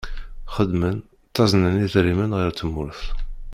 Xeddmen, ttaznen-d idrimen ɣer tmurt.